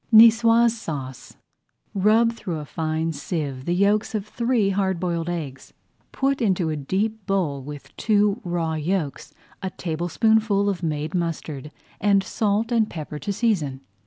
NIÇOISE SAUCE Rub through a fine sieve the yolks of three hard boiled eggs. Put into a deep bowl, with two raw yolks, a tablespoonful of made mustard, and salt and pepper to season.